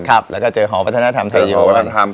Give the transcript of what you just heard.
ครับแล้วก็เจอหอวัฒนธรรมไทยวร